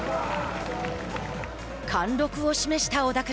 貫禄を示した小田倉。